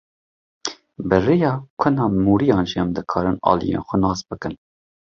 Bi rêya kuna mûriyan jî em dikarin aliyên xwe nas bikin.